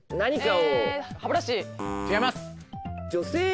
違います。